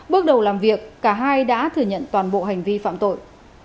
bước đầu làm việc cả hai đã thừa nhận toàn bộ hành vi phạm tội